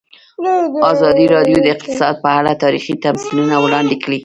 ازادي راډیو د اقتصاد په اړه تاریخي تمثیلونه وړاندې کړي.